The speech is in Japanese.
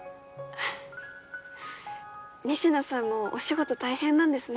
仁科さんもお仕事大変なんですね。